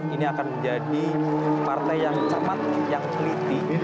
ini akan menjadi partai yang cepat yang peliti